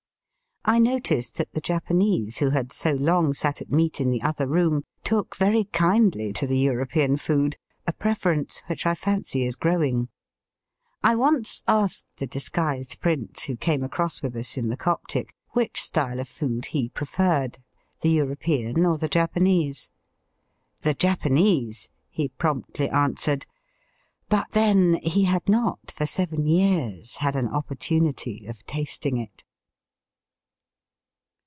I noticed that the Japanese who had so long sat at meat in the other room took very kindly to the European food, a preference which I fancy is growing. I once asked the disguised prince who came across with us in the Coptic which style of food he preferred, the European or the Japanese. " The Japanese," he promptly answered. But then he had not for seven years had an opportunity of tasting it.